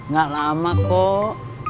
gak lama kok